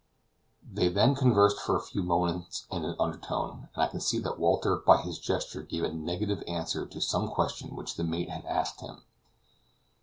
They then conversed for a few moments in an undertone, and I could see that Walter by his gesture gave a negative answer to some question which the mate had asked him.